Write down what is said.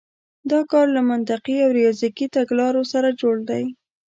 دا کار له منطقي او ریاضیکي تګلارو سره جوړ دی.